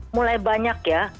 mulai banyak ya